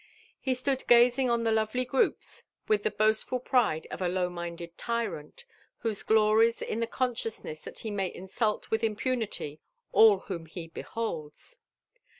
He stood gazing on the lovely groups with the boastful pride of a low minded tyrant, who glories in the coin sciousness that he may insult wilh impunity all whom he beholds.